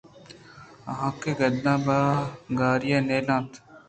آ کاگداں پہ گاری ءَ نیل اَنت